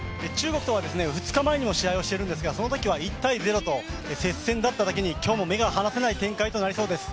２日前にも試合をしてるんですがそのときには１−０と接戦だっただけに、今日も目が離せない展開になりそうです。